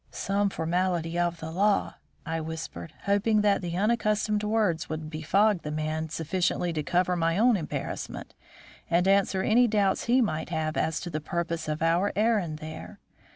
"Some formality of the law!" I whispered, hoping that the unaccustomed words would befog the old man sufficiently to cover my own embarrassment, and answer any doubts he might have as to the purpose of our errand there.